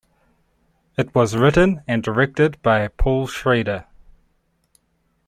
It was written and directed by Paul Schrader.